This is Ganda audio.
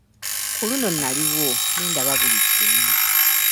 Ku luno naliwo ne ndaba buli kimu.